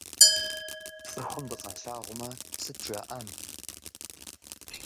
Цӏыхум дыкъалъагъумэ, сыт жаӏэн?